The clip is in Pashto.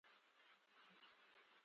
زه د سفر لپاره نوی بکس اخیستی دی.